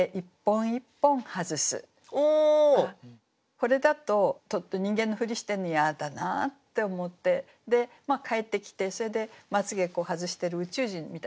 これだとちょっと人間のふりしてるのやだなって思って帰ってきてそれで睫毛外してる宇宙人みたいな感じですよね。